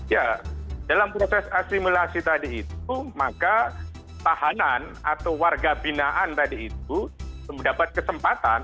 ya dalam proses asimilasi tadi itu maka tahanan atau warga binaan tadi itu mendapat kesempatan